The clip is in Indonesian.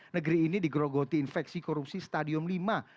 negeri ini digerogoti infeksi korupsi stadium lima